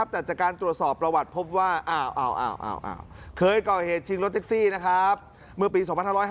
แต่จากการตรวจสอบประวัติพบว่าเคยก่อเหตุชิงรถแท็กซี่เมื่อปี๒๕๕๙